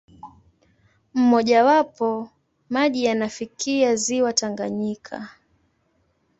Mmojawapo, maji yanafikia ziwa Tanganyika.